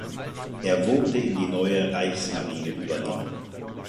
Er wurde in die neue Reichsmarine übernommen.